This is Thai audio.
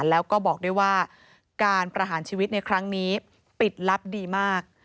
แล้วก็บอกด้วยว่าการประหารชีวิตในครั้งนี้ปิดลับดีมาก